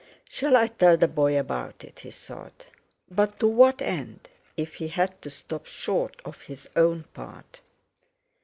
"Shall I tell the boy about it?" he thought. But to what end—if he had to stop short of his own part?